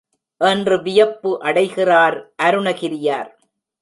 என்று வியப்பு அடைகிறார் அருணகிரியார்.